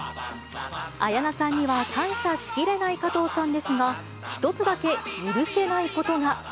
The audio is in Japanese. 綾菜さんには、感謝しきれない加藤さんですが、１つだけ許せないことが。